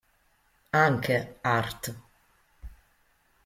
Anche: Art.